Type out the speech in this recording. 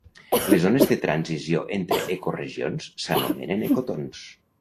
Les zones de transició entre ecoregions s'anomenen ecotons.